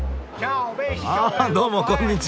あどうもこんにちは！